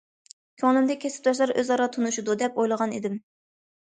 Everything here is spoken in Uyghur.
كۆڭلۈمدە كەسىپداشلار ئۆزئارا تونۇشىدۇ، دەپ ئويلىغان ئىدىم.